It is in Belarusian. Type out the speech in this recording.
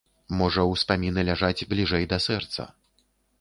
Можа, успаміны ляжаць бліжэй да сэрца.